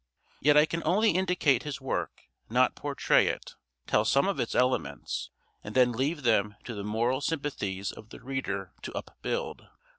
Yet I can only indicate his work, not portray it; tell some of its elements, and then leave them to the moral sympathies of the reader to upbuild.